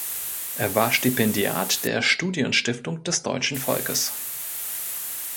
Er war Stipendiat der Studienstiftung des Deutschen Volkes.